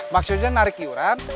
maksudnya narik iuran